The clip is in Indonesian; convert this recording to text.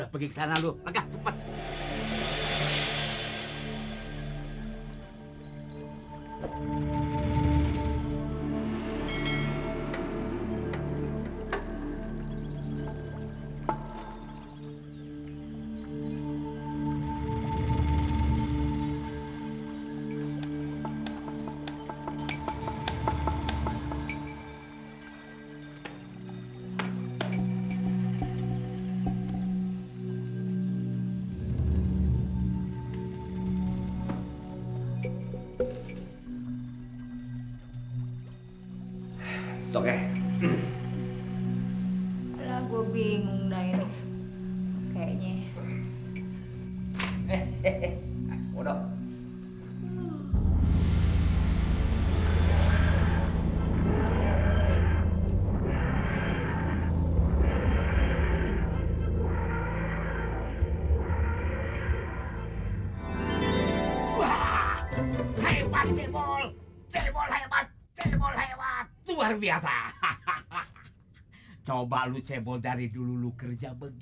pintu kita aja kayak didogak